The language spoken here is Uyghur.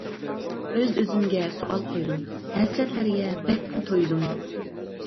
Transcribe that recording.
ئۆز-ئۆزۈمگە سوئال قويدۇم، ھەسرەتلەرگە بەكمۇ تويدۇم.